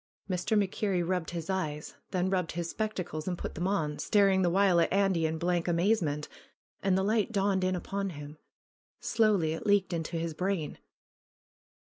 Mr. MacKerrie rubbed his eyes, then rubbed his spec tacles and put them on, staring the while at Andy in blank amazement, and the light dawned in upon him. Slowly it leaked into his brain.